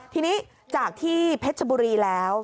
ทีนี้จากที่เพชรบุรีแล้ว